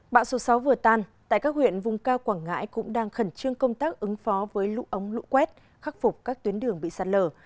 bão số sáu vừa tan tại các huyện vùng cao quảng ngãi cũng đang khẩn trương công tác ứng phó với lũ ống lũ quét khắc phục các tuyến đường bị sạt lở